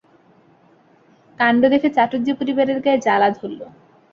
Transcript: কাণ্ড দেখে চাটুজ্যে-পরিবারের গায়ে জ্বালা ধরল।